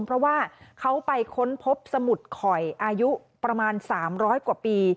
เพราะว่าเขาไปค้นพบสมุดข่อยอายุประมาณ๓๐๐กว่าปี